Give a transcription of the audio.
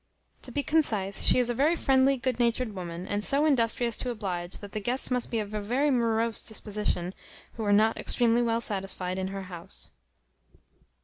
To be concise, she is a very friendly good natured woman; and so industrious to oblige, that the guests must be of a very morose disposition who are not extremely well satisfied in her house.